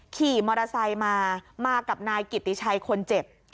ขี่มอเตอร์ไซค์มามากับนายกิติชัยคนเจ็บ